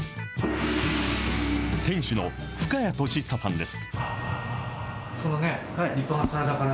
店主の深谷年永さんです。